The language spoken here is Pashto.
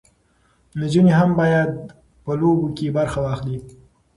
نجونې هم باید په لوبو کې برخه واخلي.